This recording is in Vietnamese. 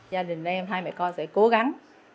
gia đình em hai mẹ con sẽ cố gắng